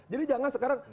jadi jangan sekarang